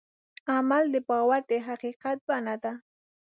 عمل د باور د حقیقت بڼه ده.